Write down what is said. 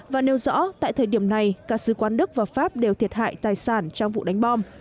và nêu rõ tại thời điểm này cả sứ quán đức và pháp đều thiệt hại tài sản trong vụ đánh bom